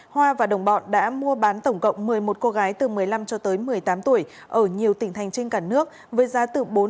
hoa và đồng bọn đã mua bán tổng cộng một mươi một cô gái từ một mươi năm cho tới một mươi tám tuổi ở nhiều tỉnh thành trên cả nước với giá từ bốn đến ba mươi năm triệu đồng